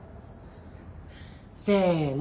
せの！